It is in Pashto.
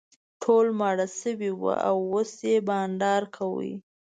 ټول ماړه شوي ول او اوس یې بانډار کاوه.